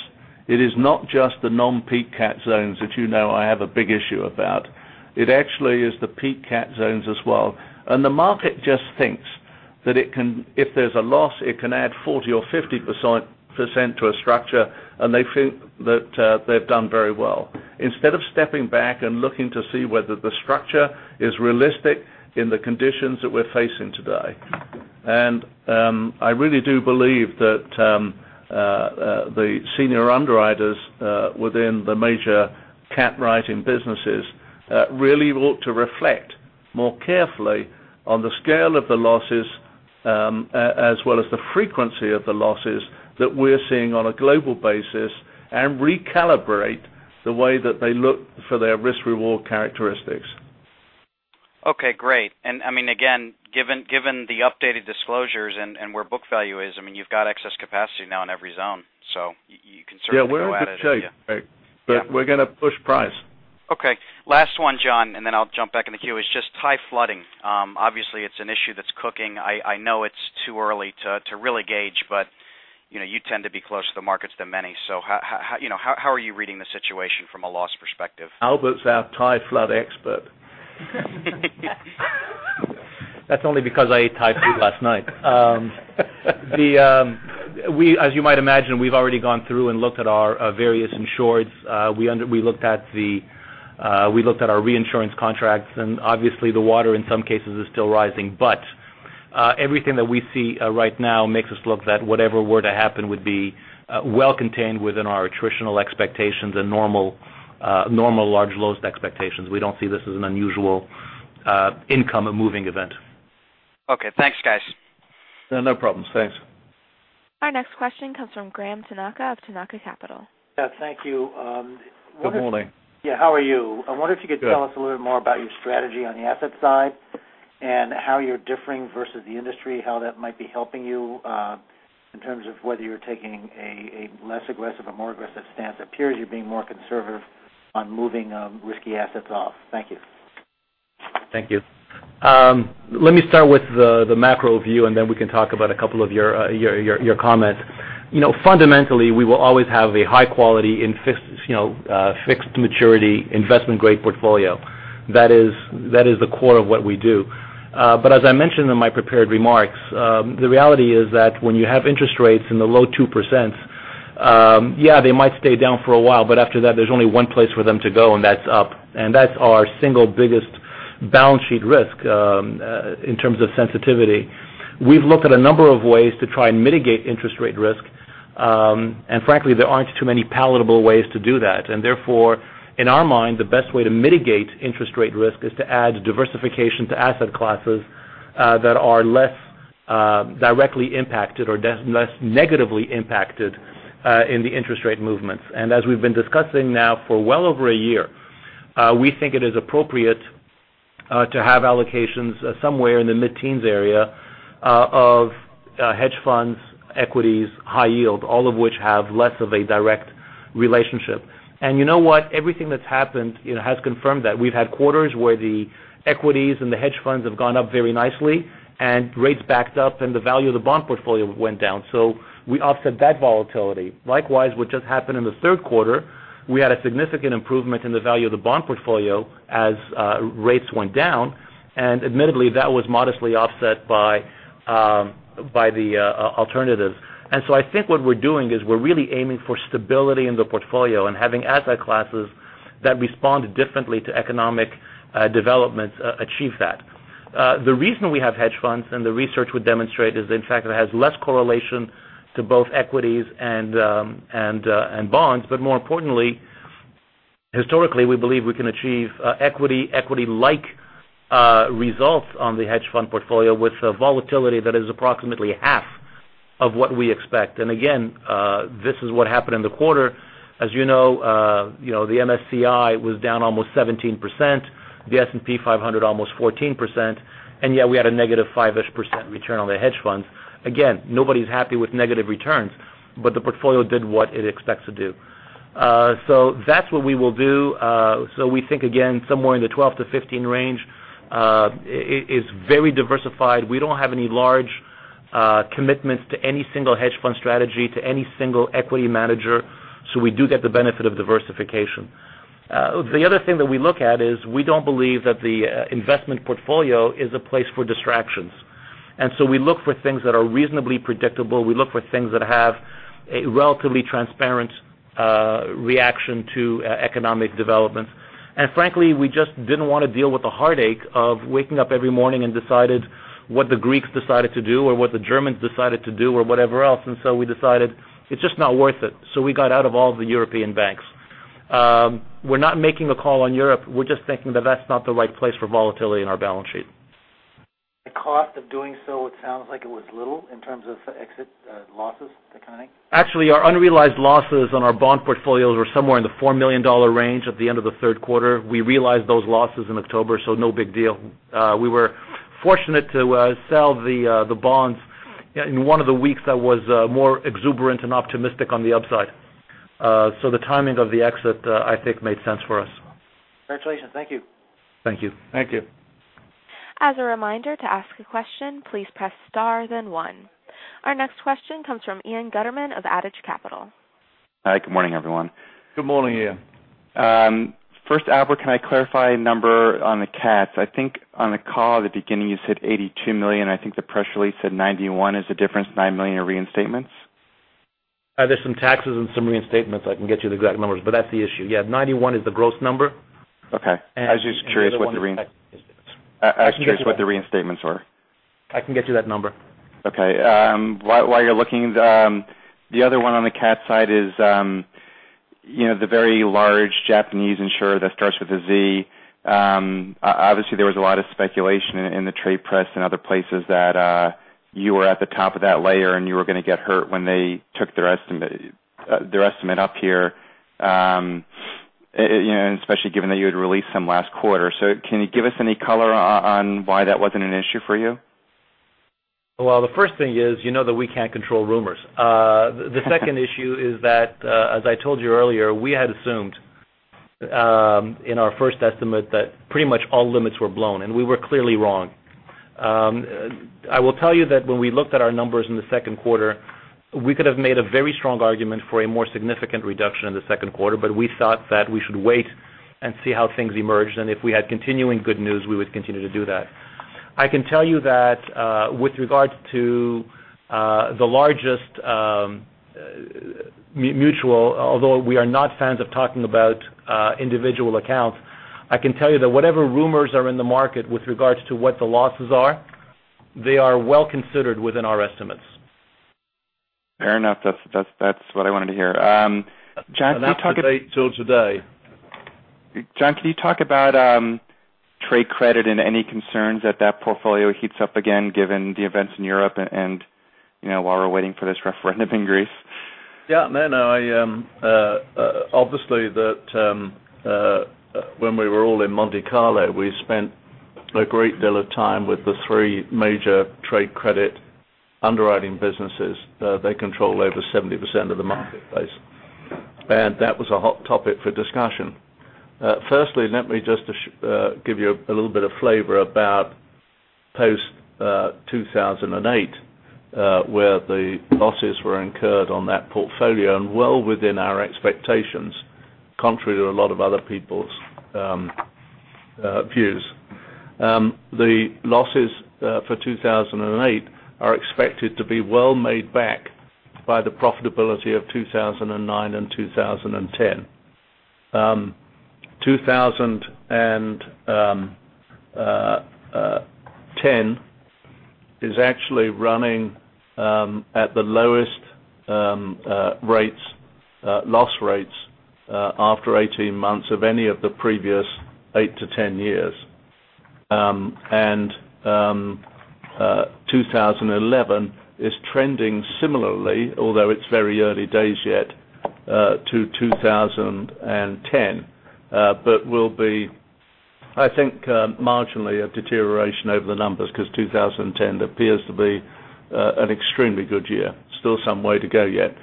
It is not just the non-peak cat zones that you know I have a big issue about. It actually is the peak cat zones as well. The market just thinks that if there's a loss, it can add 40% or 50% to a structure, and they think that they've done very well, instead of stepping back and looking to see whether the structure is realistic in the conditions that we're facing today. I really do believe that the senior underwriters within the major cat writing businesses really ought to reflect more carefully on the scale of the losses as well as the frequency of the losses that we're seeing on a global basis and recalibrate the way that they look for their risk reward characteristics. Okay, great. Again, given the updated disclosures and where book value is, you've got excess capacity now in every zone. You can certainly go at it if you Yeah, we're in good shape, Greg. Yeah. We're going to push price. Okay. Last one, John, and then I'll jump back in the queue, is just Thai flooding. Obviously, it's an issue that's cooking. I know it's too early to really gauge, but you tend to be closer to the markets than many. How are you reading the situation from a loss perspective? Albert's our Thai flood expert. That's only because I ate Thai food last night. As you might imagine, we've already gone through and looked at our various insureds. We looked at our reinsurance contracts, and obviously the water in some cases is still rising. Everything that we see right now makes us look that whatever were to happen would be well contained within our attritional expectations and normal large loss expectations. We don't see this as an unusual income-moving event. Okay, thanks, guys. Yeah, no problems. Thanks. Our next question comes from Graham Tanaka of Tanaka Capital. Yeah, thank you. Good morning. Yeah, how are you? Good. I wonder if you could tell us a little bit more about your strategy on the asset side and how you're differing versus the industry, how that might be helping you in terms of whether you're taking a less aggressive or more aggressive stance. It appears you're being more conservative on moving risky assets off. Thank you. Thank you. Let me start with the macro view. Then we can talk about a couple of your comments. Fundamentally, we will always have a high quality in fixed maturity investment-grade portfolio. That is the core of what we do. As I mentioned in my prepared remarks, the reality is that when you have interest rates in the low 2%, yeah, they might stay down for a while. After that, there's only one place for them to go, and that's up. That's our single biggest balance sheet risk in terms of sensitivity. We've looked at a number of ways to try and mitigate interest rate risk. Frankly, there aren't too many palatable ways to do that. Therefore, in our mind, the best way to mitigate interest rate risk is to add diversification to asset classes that are less directly impacted or less negatively impacted in the interest rate movements. As we've been discussing now for well over a year, we think it is appropriate to have allocations somewhere in the mid-teens area of hedge funds, equities, high yield, all of which have less of a direct relationship. You know what? Everything that's happened has confirmed that. We've had quarters where the equities and the hedge funds have gone up very nicely, and rates backed up and the value of the bond portfolio went down. We offset that volatility. Likewise, what just happened in the third quarter, we had a significant improvement in the value of the bond portfolio as rates went down, and admittedly, that was modestly offset by the alternatives. I think what we're doing is we're really aiming for stability in the portfolio and having asset classes that respond differently to economic developments achieve that. The reason we have hedge funds, and the research would demonstrate, is in fact it has less correlation to both equities and bonds. More importantly, historically, we believe we can achieve equity-like results on the hedge fund portfolio with a volatility that is approximately half of what we expect. Again, this is what happened in the quarter. As you know, the MSCI was down almost 17%, the S&P 500 almost 14%, and yet we had a negative five-ish% return on the hedge funds. Nobody's happy with negative returns, but the portfolio did what it expects to do. That's what we will do. We think, again, somewhere in the 12-15 range is very diversified. We don't have any large commitments to any single hedge fund strategy, to any single equity manager. We do get the benefit of diversification. The other thing that we look at is we don't believe that the investment portfolio is a place for distractions. We look for things that are reasonably predictable. We look for things that have a relatively transparent reaction to economic development. Frankly, we just didn't want to deal with the heartache of waking up every morning and decided what the Greeks decided to do or what the Germans decided to do, or whatever else. We decided it's just not worth it. We got out of all the European banks. We're not making a call on Europe. We're just thinking that that's not the right place for volatility in our balance sheet. The cost of doing so, it sounds like it was little in terms of exit losses, that kind of thing. Actually, our unrealized losses on our bond portfolios were somewhere in the $4 million range at the end of the third quarter. We realized those losses in October. No big deal. We were fortunate to sell the bonds in one of the weeks that was more exuberant and optimistic on the upside. The timing of the exit, I think, made sense for us. Congratulations. Thank you. Thank you. Thank you. As a reminder, to ask a question, please press star then one. Our next question comes from Ian Gutterman of Adage Capital. Hi, good morning, everyone. Good morning, Ian. Albert, can I clarify a number on the cats? I think on the call at the beginning, you said $82 million. I think the press release said $91. Is the difference $9 million in reinstatements? There's some taxes and some reinstatements. I can get you the exact numbers, but that's the issue. Yeah, $91 is the gross number. Okay. I was just curious what the reinstatements were. I can get you that number. Okay. While you're looking, the other one on the cat side is the very large Japanese insurer that starts with a Z. Obviously, there was a lot of speculation in the trade press and other places that you were at the top of that layer and you were going to get hurt when they took their estimate up here, especially given that you had released some last quarter. Can you give us any color on why that wasn't an issue for you? Well, the first thing is, you know that we can't control rumors. The second issue is that, as I told you earlier, we had assumed in our first estimate that pretty much all limits were blown, and we were clearly wrong. I will tell you that when we looked at our numbers in the second quarter, we could have made a very strong argument for a more significant reduction in the second quarter. We thought that we should wait and see how things emerged, and if we had continuing good news, we would continue to do that. I can tell you that with regards to the largest mutual, although we are not fans of talking about individual accounts, I can tell you that whatever rumors are in the market with regards to what the losses are, they are well considered within our estimates. Fair enough. That's what I wanted to hear. John, can you talk. That's the date till today. John, can you talk about trade credit and any concerns that that portfolio heats up again given the events in Europe and while we're waiting for this referendum in Greece? Yeah. Obviously when we were all in Monte Carlo, we spent a great deal of time with the three major trade credit underwriting businesses. They control over 70% of the marketplace. That was a hot topic for discussion. Firstly, let me just give you a little bit of flavor about post-2008 where the losses were incurred on that portfolio and well within our expectations, contrary to a lot of other people's views. The losses for 2008 are expected to be well made back by the profitability of 2009 and 2010. 2010 is actually running at the lowest loss rates after 18 months of any of the previous eight to 10 years. 2011 is trending similarly, although it's very early days yet, to 2010. Will be, I think, marginally a deterioration over the numbers because 2010 appears to be an extremely good year. Still some way to go yet.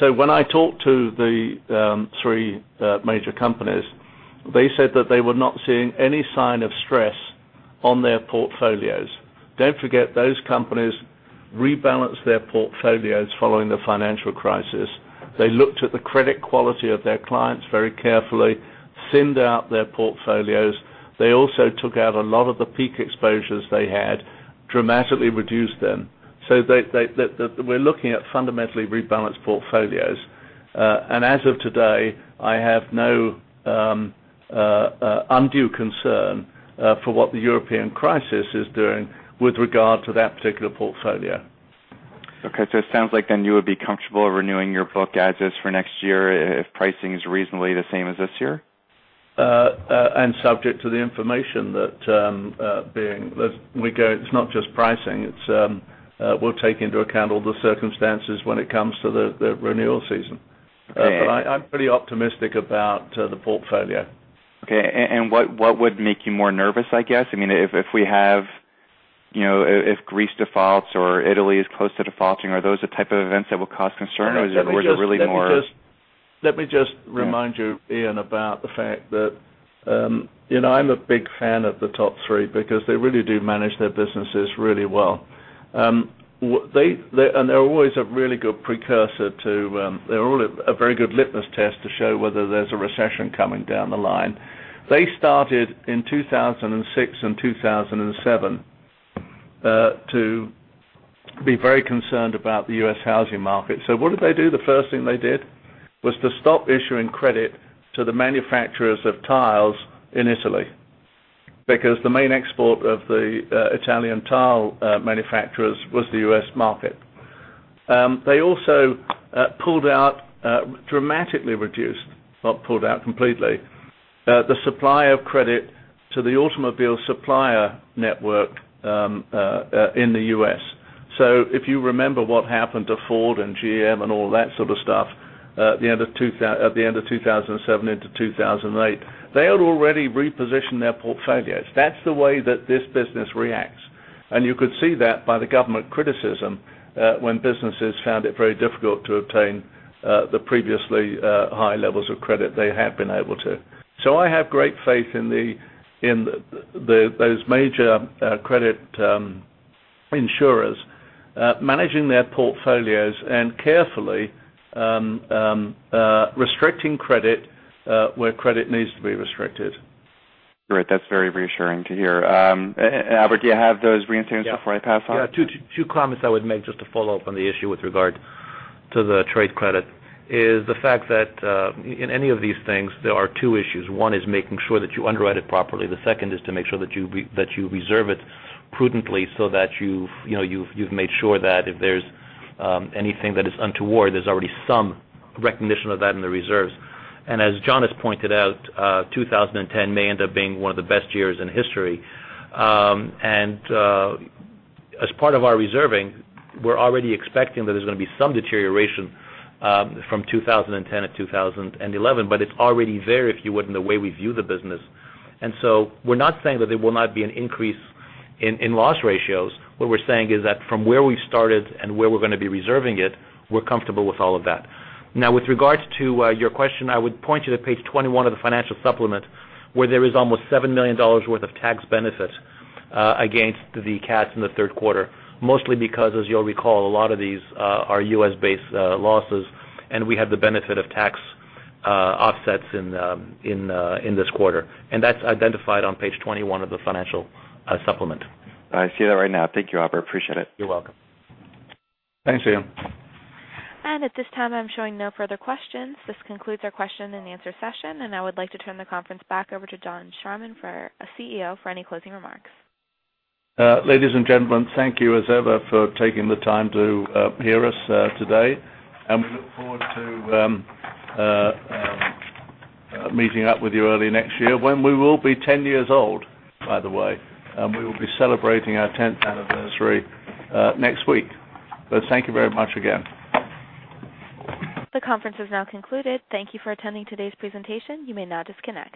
When I talked to the 3 major companies, they said that they were not seeing any sign of stress on their portfolios. Don't forget, those companies rebalanced their portfolios following the financial crisis. They looked at the credit quality of their clients very carefully, thinned out their portfolios. They also took out a lot of the peak exposures they had, dramatically reduced them. We're looking at fundamentally rebalanced portfolios. As of today, I have no undue concern for what the European crisis is doing with regard to that particular portfolio. Okay, it sounds like then you would be comfortable renewing your book as is for next year if pricing is reasonably the same as this year? Subject to the information. It's not just pricing. We'll take into account all the circumstances when it comes to the renewal season. Okay. I'm pretty optimistic about the portfolio. Okay. What would make you more nervous, I guess? I mean, if Greece defaults or Italy is close to defaulting, are those the type of events that will cause concern? Let me just remind you, Ian, about the fact that I'm a big fan of the top three because they really do manage their businesses really well. They're always a very good litmus test to show whether there's a recession coming down the line. They started in 2006 and 2007 to be very concerned about the U.S. housing market. What did they do? The first thing they did was to stop issuing credit to the manufacturers of tiles in Italy because the main export of the Italian tile manufacturers was the U.S. market. They also dramatically reduced, not pulled out completely, the supply of credit to the automobile supplier network in the U.S. If you remember what happened to Ford and GM and all that sort of stuff at the end of 2007 into 2008, they had already repositioned their portfolios. That's the way that this business reacts. You could see that by the government criticism when businesses found it very difficult to obtain the previously high levels of credit they had been able to. I have great faith in those major credit insurers managing their portfolios and carefully restricting credit where credit needs to be restricted. Great. That's very reassuring to hear. Albert, do you have those reinsurance before I pass on? Yeah. Two comments I would make just to follow up on the issue with regard to the trade credit is the fact that in any of these things, there are two issues. One is making sure that you underwrite it properly. The second is to make sure that you reserve it prudently so that you've made sure that if there's anything that is untoward, there's already some recognition of that in the reserves. As John has pointed out, 2010 may end up being one of the best years in history. As part of our reserving, we're already expecting that there's going to be some deterioration from 2010 and 2011, but it's already there, if you would, in the way we view the business. We're not saying that there will not be an increase in loss ratios. What we're saying is that from where we started and where we're going to be reserving it, we're comfortable with all of that. Now, with regards to your question, I would point you to page 21 of the financial supplement, where there is almost $7 million worth of tax benefit against the cats in the third quarter, mostly because, as you'll recall, a lot of these are U.S.-based losses, and we have the benefit of tax offsets in this quarter. That's identified on page 21 of the financial supplement. I see that right now. Thank you, Albert. Appreciate it. You're welcome. Thanks, Ian. At this time, I'm showing no further questions. This concludes our question and answer session. I would like to turn the conference back over to John Charman, CEO, for any closing remarks. Ladies and gentlemen, thank you as ever for taking the time to hear us today. We look forward to meeting up with you early next year when we will be 10 years old, by the way. We will be celebrating our 10th anniversary next week. Thank you very much again. The conference is now concluded. Thank you for attending today's presentation. You may now disconnect.